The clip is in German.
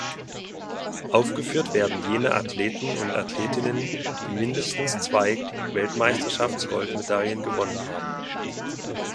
Aufgeführt werden jene Athleten und Athletinnen, die mindestens zwei Weltmeisterschafts-Goldmedaillen gewonnen haben.